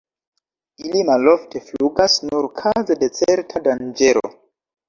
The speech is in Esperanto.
Ili malofte flugas, nur kaze de certa danĝero.